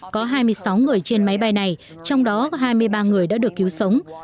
có hai mươi sáu người trên máy bay này trong đó hai mươi ba người đã được cứu sống